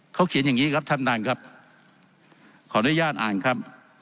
เขาเขียนอย่างงี้ครับท่านท่านครับขออนุญาตอ่านครับ